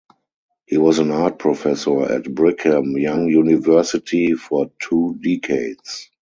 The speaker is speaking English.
He was an art professor at Brigham Young University for two decades.